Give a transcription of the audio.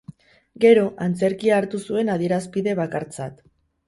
Gero, antzerkia hartu zuen adierazpide bakartzat.